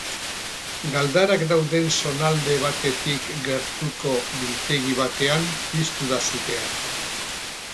Galdarak dauden zonalde batetik gertuko biltegi batean piztu da sutea.